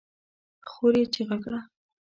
خور يې چيغه کړه!